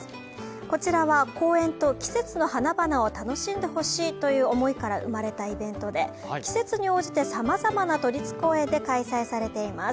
こちらは公園と季節の花々を楽しんでほしいという思いから生まれたイベントで、季節に応じてさまざまな都立公園で開催されています。